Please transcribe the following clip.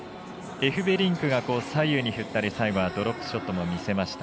エフベリンクが左右に振ったり最後はドロップショットを見せました。